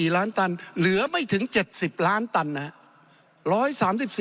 ๔ล้านตันเหลือไม่ถึง๗๐ล้านตันนะครับ